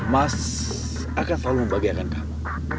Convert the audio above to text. mas akan selalu membahagiakan kamu